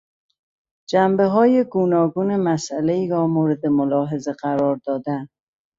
جنبههای گوناگون مسئلهای را مورد ملاحظه قرار دادن